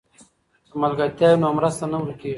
که ملګرتیا وي نو مرسته نه ورکېږي.